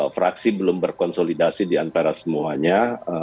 fraksi belum berkonsolidasi di antara semuanya